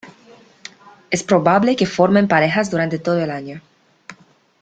Es probable que formen parejas durante todo el año.